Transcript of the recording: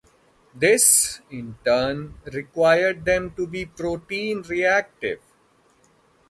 This, in turn, requires them to be protein-reactive.